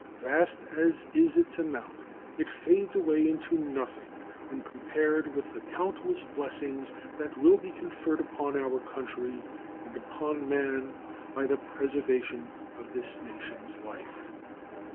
Vast as is its amount, it fades away into nothing when compared with the countless blessings that will be conferred upon our country and upon man by the preservation of the nation's life.